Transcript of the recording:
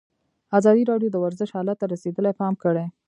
ازادي راډیو د ورزش حالت ته رسېدلي پام کړی.